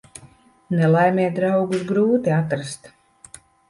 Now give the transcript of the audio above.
Nelaimē draugus grūti atrast.